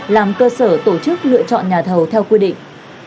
làm cơ sở tổ chức lựa chọn nhà thầu theo quy định